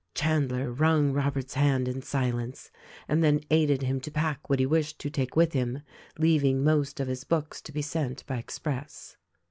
Chandler wrung Robert's hand in silence and then aided him to pack what he wished to take with him — leaving most of his books to be sent by express.